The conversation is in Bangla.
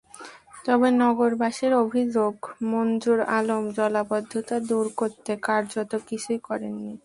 তবে নগরবাসীর অভিযোগ, মনজুর আলম জলাবদ্ধতা দূর করতে কার্যত কিছুই করেননি।